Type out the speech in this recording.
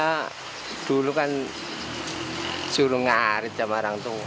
karena dulu kan suruh ngarit sama orang tua